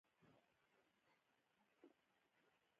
ازادي راډیو د هنر لپاره د چارواکو دریځ خپور کړی.